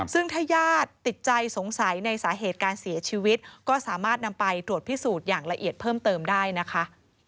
ซึ่งถ้าญาติติดใจสงสัยในสาเหตุการเสียชีวิตก็สามารถนำไปตรวจพิสูจน์อย่างละเอียดเพิ่มเติมได้นะคะ